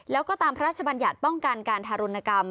แล้วก็ตามพระราชบัญญัติป้องกันการทารุณกรรม